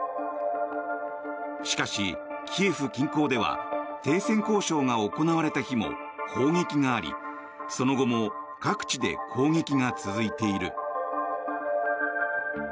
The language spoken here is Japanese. しかし、キエフ近郊では停戦交渉が行われた日も砲撃があり、その後も各地で攻撃が続いている。